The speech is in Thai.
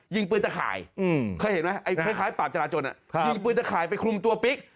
ยิงปืนตะขายคลัยปาล์บจราจน่ะยิงปืนตะขายไปคลุมตัวปิ๊ก